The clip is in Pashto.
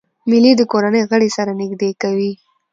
مېلې د کورنۍ غړي سره نږدې کوي.